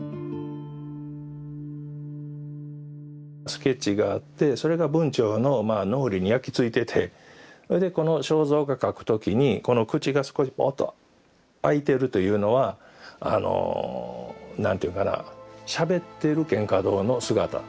スケッチがあってそれが文晁の脳裏に焼き付いててそれでこの肖像画描くときにこの口が少しぼっと開いてるというのは何ていうかなしゃべってる蒹葭堂の姿。